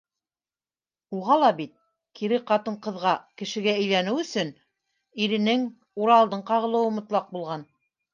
Уға ла бит, кире ҡатын- ҡыҙға - кешегә әйләнеү өсөн, иренең, Уралдың, ҡағылыуы мотлаҡ булған.